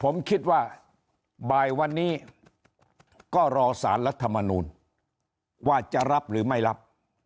เพราะฉะนั้นผมคิดว่าบ่ายวันนี้ก็รอสารรัฐมนุนว่าจะรับหรือไม่รับ